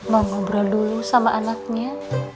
mau ngobrol dulu sama anaknya